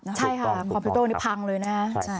ใช่ค่ะคอมพิวเตอร์นี้พังเลยนะ